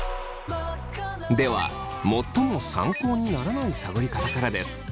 では最も参考にならない探り方からです。